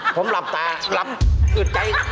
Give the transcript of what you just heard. ผมดูผมหลับตาหลับอืดใจ